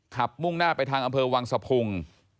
มุ่งหน้าไปทางอำเภอวังสะพุง